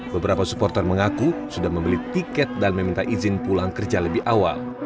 beberapa supporter mengaku sudah membeli tiket dan meminta izin pulang kerja lebih awal